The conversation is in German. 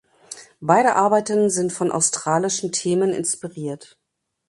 Beide Arbeiten sind von australischen Themen inspiriert.